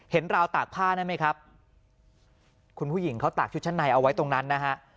ราวตากผ้านั่นไหมครับคุณผู้หญิงเขาตากชุดชั้นในเอาไว้ตรงนั้นนะฮะ